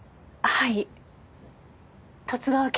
はい。